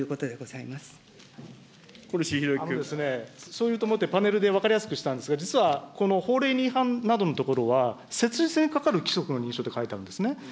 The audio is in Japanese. そう言うと思って、パネルで分かりやすくしたんですが、実はこの法令に違反などのところは、にかかる規則の認証って書いてあるんですね。